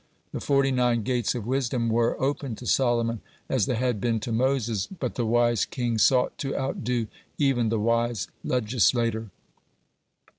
(24) The "forty nine gates of wisdom" were open to Solomon as they had been to Moses, but the wise king sought to outdo even the wise legislator.